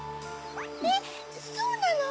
えっそうなの？